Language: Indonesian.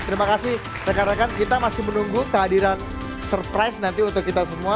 terima kasih rekan rekan kita masih menunggu kehadiran surprise nanti untuk kita semua